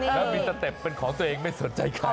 แล้วมีสเต็ปเป็นของตัวเองไม่สนใจเขา